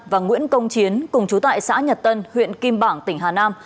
và nguyễn công chiến cùng chú tại xã nhật tân huyện kim bảng tỉnh hà nam